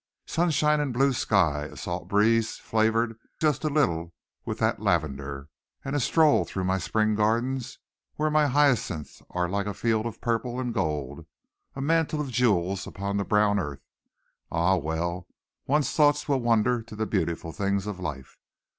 Sunshine and blue sky, a salt breeze flavoured just a little with that lavender, and a stroll through my spring gardens, where my hyacinths are like a field of purple and gold, a mantle of jewels upon the brown earth. Ah, well! One's thoughts will wander to the beautiful things of life.